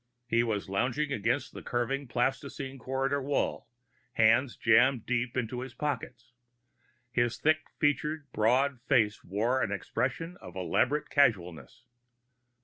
He was lounging against the curving plastine corridor wall, hands jammed deep into his pockets. His thick featured, broad face wore an expression of elaborate casualness.